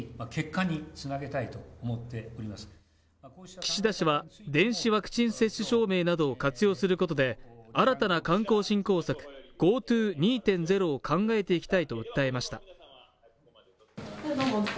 岸田氏は電子ワクチン接種証明などを活用することで新たな観光振興策ＧｏＴｏ２．０を考えていきたいと訴えました。